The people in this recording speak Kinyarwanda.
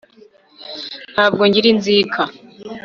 ntabwo ngira inzika